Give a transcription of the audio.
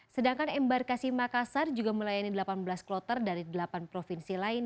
sedangkan embarkasi makassar juga melayani delapan belas kloter dari delapan provinsi lain